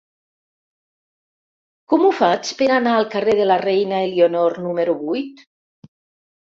Com ho faig per anar al carrer de la Reina Elionor número vuit?